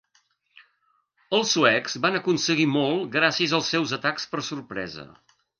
Els suecs van aconseguir molt gràcies als seus atacs per sorpresa.